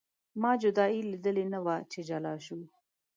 ما جدایي لیدلې نه وه چې جلا شو.